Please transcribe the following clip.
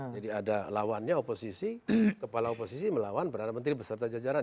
jadi ada lawannya oposisi kepala oposisi melawan berada menteri beserta jajaran